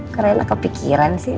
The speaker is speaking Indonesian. karena enak kepikiran sih